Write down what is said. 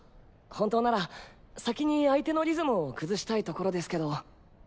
本当なら先に相手のリズムを崩したいところですけど。